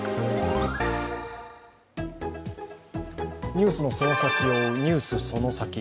ニュースのその先を追う「ＮＥＷＳそのサキ！」。